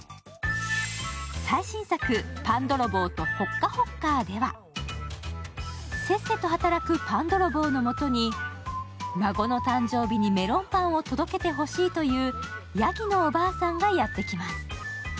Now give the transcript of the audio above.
最新作「パンどろぼうとほっかほっカー」ではせっせと働くパンどろぼうのもとに孫の誕生日にメロンパンを届けてほしいというヤギのおばあさんがやってきます。